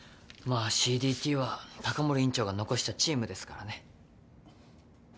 まあＣＤＴは高森院長が残したチームですからね。